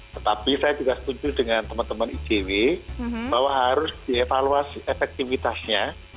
tetapi saya juga setuju dengan teman teman igw bahwa harus di evaluasi efektifitasnya